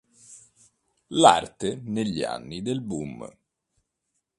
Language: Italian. L'arte negli anni del boom".